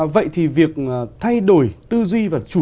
vậy thì việc thay đổi tư duy và truyền thống